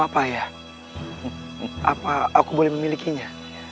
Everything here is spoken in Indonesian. apa aku boleh memilikinya